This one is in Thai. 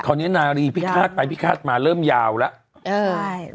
ตอนนี้นาลีพิฆาตไปพิฆาตมาเริ่มยาวแล้ว